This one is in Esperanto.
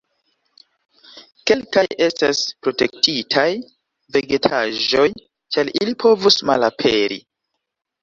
Kelkaj estas protektitaj vegetaĵoj, ĉar ili povus malaperi.